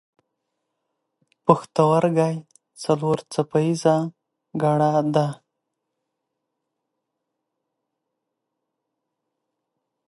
پوښتورګی څلور څپه ایزه ګړه ده.